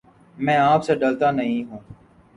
میں آپ سے ڈرتا نہیں ہوں